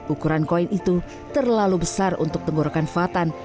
ukuran koin itu terlalu besar untuk tenggorokan fatan